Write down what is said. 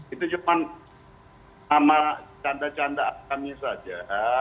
itu cuma nama canda canda kami saja